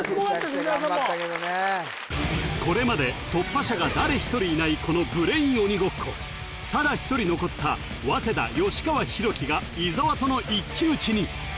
藤原さんもこれまで突破者が誰一人いないこのブレイン鬼ごっこただ一人残った早稲田川裕樹が伊沢との一騎打ちに！